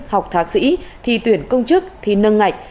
học thạc sĩ thi tuyển công chức thi nâng ngạch